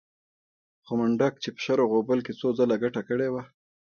خو منډک چې په شر او غوبل کې څو ځله ګټه کړې وه.